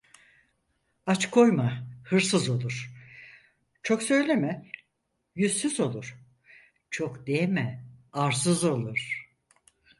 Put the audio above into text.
Aç koyma hırsız olur, çok söyleme yüzsüz olur, çok değme arsız olur.